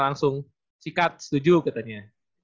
langsung sikat setuju katanya